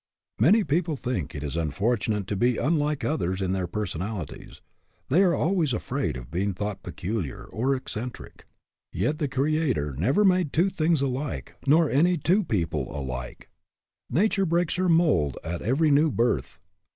Many people think it is unfortunate to be ORIGINALITY 171 unlike others in their personalities. They are always afraid of being thought peculiar, or eccentric. Yet the Creator never made two things alike, nor any two people alike. Nature breaks her mold at every new birth.